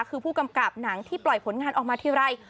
คือผู้กำกับหนังที่ปล่อยผลงานออกมาทีไร